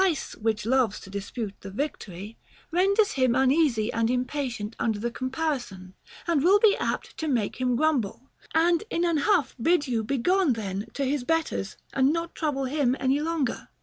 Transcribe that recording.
152 HOW TO KNOW A FLATTERER which loves to dispute the victory, renders him uneasy and impatient under the comparison, and will be apt to make him grumble, and in an huff bid you be gone then to his betters and not trouble him any longer.